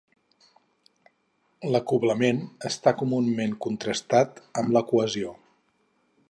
L'acoblament està comunament contrastat amb la cohesió.